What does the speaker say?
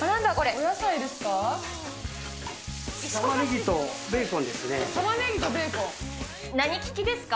お野菜ですか。